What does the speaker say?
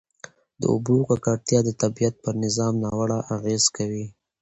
د اوبو ککړتیا د طبیعت پر نظام ناوړه اغېز کوي.